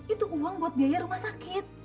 itu uang buat biaya rumah sakit